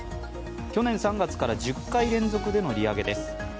去年３月から１０回連続での利上げです。